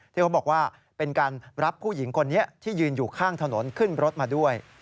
เขาบอกว่าเป็นการรับผู้หญิงคนนี้ที่ยืนอยู่ข้างถนนขึ้นรถมาด้วย